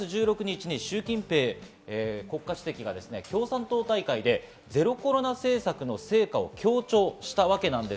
１０月１６日シュウ・キンペイ国家主席が共産党大会でゼロコロナ政策の成果を強調したわけです。